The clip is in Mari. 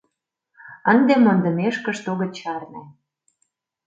Ынде мондымешкышт огыт чарне!